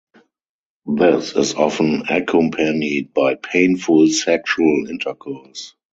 This is often accompanied by painful sexual intercourse.